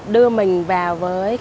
đưa mình vào với